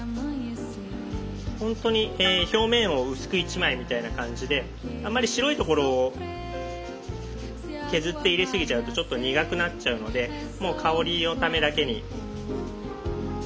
ほんとに表面を薄く１枚みたいな感じであんまり白いところを削って入れすぎちゃうとちょっと苦くなっちゃうのでもう香りのためだけに。